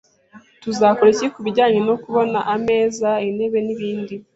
Tuzakora iki kubijyanye no kubona ameza, intebe nibindi?